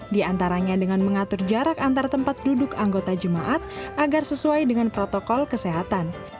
di antaranya dengan mengatur jarak antar tempat duduk anggota jemaat agar sesuai dengan protokol kesehatan